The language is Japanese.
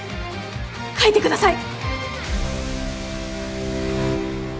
書いてください！